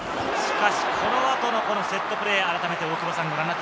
しかしこの後のセットプレー。